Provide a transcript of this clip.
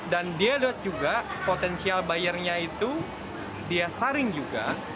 dan dia lihat juga potensial bayarnya itu dia saring juga